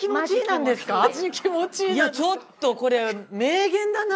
いやちょっとこれ名言だな。